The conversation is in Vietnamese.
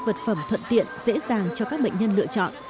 và đặt phẩm thuận tiện dễ dàng cho các bệnh nhân lựa chọn